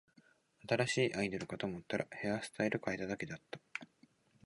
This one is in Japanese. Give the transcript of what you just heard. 新しいアイドルかと思ったら、ヘアスタイル変えただけだった